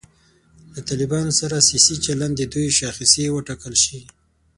له طالبانو سره سیاسي چلند د دوی شاخصې وټاکل شي.